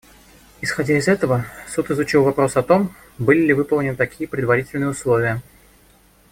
Исходя из этого, Суд изучил вопрос о том, были ли выполнены такие предварительные условия.